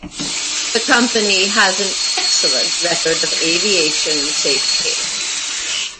The company has an excellent record of aviation safety.